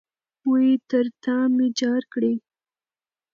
وئ ! تر تامي جار کړې